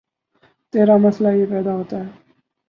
تیسرامسئلہ یہ پیدا ہوتا ہے